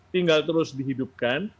tinggal terus dihidupkan